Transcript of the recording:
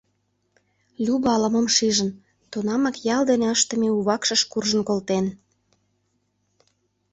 Люба ала-мом шижын, тунамак ял дене ыштыме у вакшыш куржын колтен.